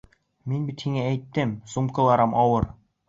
Мин бит һиңә әйттем, сумкаларым ауыр!